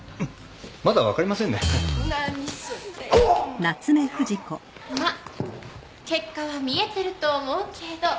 まっ結果は見えてると思うけど。